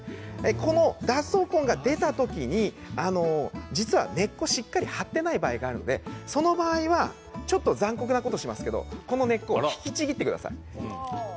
この脱走根が出た時に実は根っこがしっかり張っていない場合があるのでその場合はちょっと残酷なことをしますけどこの根っこを引きちぎってください。